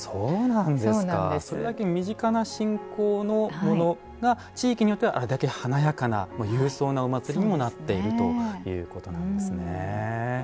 それだけ身近な信仰のものが地域によってはあれだけ華やかな勇壮なお祭りにもなっているということなんですね。